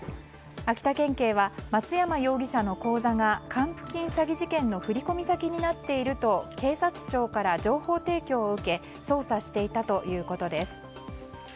秋田県警は松山容疑者の口座が還付金詐欺事件の振込先になっていると警察庁から情報提供を受け捜査していたということです。